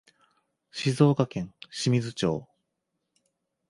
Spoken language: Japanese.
静岡県清水町